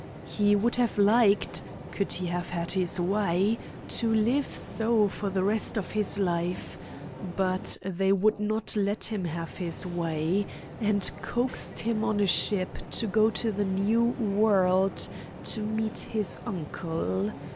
He would have liked, could he have had his way, to live so for the rest of his life; but they would not let him have his way, and coaxed him on a ship to go to the New World to meet his uncle.